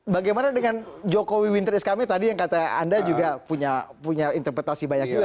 bagaimana dengan jokowi winter is kami tadi yang kata anda juga punya interpretasi banyak juga